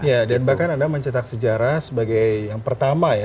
ya dan bahkan anda mencetak sejarah sebagai yang pertama ya